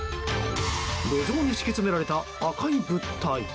路上に敷き詰められた赤い物体。